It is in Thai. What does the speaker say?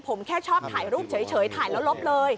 ผมแค่ชอบถ่ายรูปเฉยถ่ายแล้วลบเลย